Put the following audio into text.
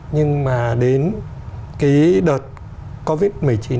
nhưng mà đến cái đợt covid một mươi chín